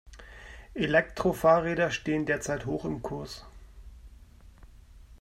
Elektrofahrräder stehen derzeit hoch im Kurs.